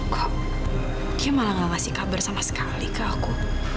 kok dia malah gak ngasih kabar sama sekali ke aku